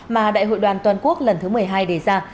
mà đại hội đoàn toàn quốc lần thứ một mươi hai đề ra